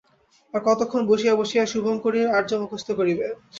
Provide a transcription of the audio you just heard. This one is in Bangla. আর কতক্ষণ বসিয়া বসিয়া শুভঙ্করীর আর্য মুখস্থ করিবে?